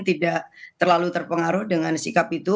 tidak terlalu terpengaruh dengan sikap itu